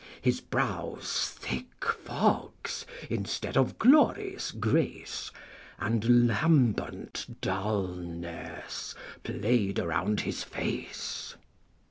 299 His brows thick fogs, instead of glories, grace, no And lambent dulness play'd around bis face.